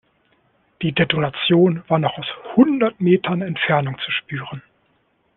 Die Detonation war noch aus hundert Metern Entfernung zu spüren.